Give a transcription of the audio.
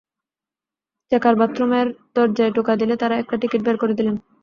Checker বাথরুমের দরজায় টোকা দিলে তাঁরা একটা টিকিট বের করে দিলেন।